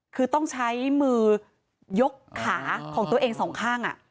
คือต้องใช้มือยกขาของตัวเองสองข้าง